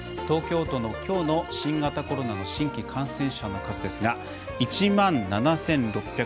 東京都のきょうの新型コロナの新規感染者の数ですが１万７６３１人。